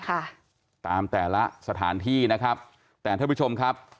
ค่ะตามแต่ละสถานที่นะครับแต่ท่านผู้ชมครับ